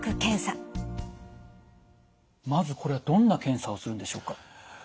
まずこれどんな検査をするんでしょうか？